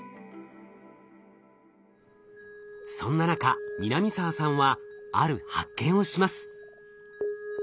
そんな中南澤さんはある発見をします。